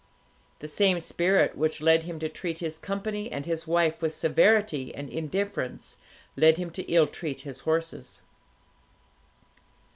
The same spirit which led him to treat his company and his wife with severity and indifference, led him to ill treat his horses.